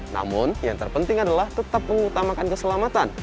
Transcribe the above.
namun yang terpenting adalah tetap mengutamakan keselamatan